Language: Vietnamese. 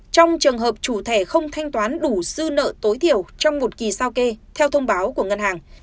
trong trường hợp chủ thẻ không thanh toán đủ dư nợ tối thiểu trong một kỳ sao kê theo thông báo của ngân hàng